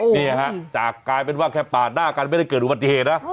นี่ฮะจากกลายเป็นว่าแค่ปาดหน้ากันไม่ได้เกิดอุบัติเหตุนะ